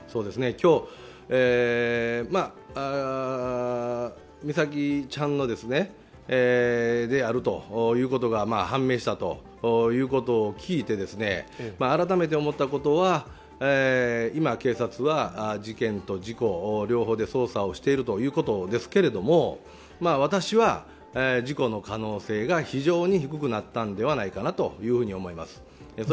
今日、美咲ちゃんであるということが判明したということを聞いて改めて思ったことは、今、警察は事件と事故、両方で捜査をしているということですけれども私は事故の可能性が非常に低くなったんではないかなというふうに思います。